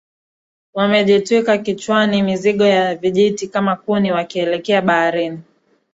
Wamejitwika kichwani mizigo ya vijiti kama kuni wakielekea baharini